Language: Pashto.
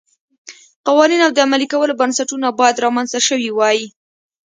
قوانین او د عملي کولو بنسټونه باید رامنځته شوي وای.